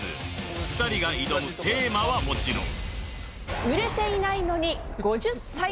２人が挑むテーマはもちろん